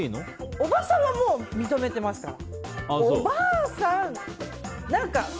おばさんは認めてますから。